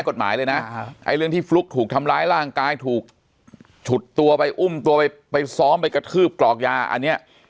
กฎหมายเลยนะไอ้เรื่องที่ฟลุ๊กถูกทำร้ายร่างกายถูกฉุดตัวไปอุ้มตัวไปไปซ้อมไปกระทืบกรอกยาอันนี้